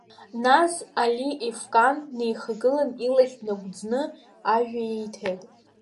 Нас Али Ефкан днеихагылан илахь днагәӡны ажәа ииҭеит.